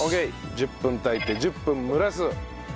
１０分炊いて１０分蒸らす。